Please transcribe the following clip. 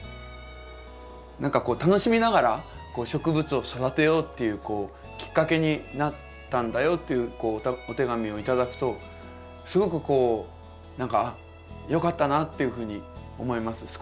何かこう楽しみながら植物を育てようっていうきっかけになったんだよっていうお手紙を頂くとすごくこう何か「あっよかったな」っていうふうに思います。